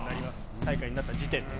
最下位になった時点で。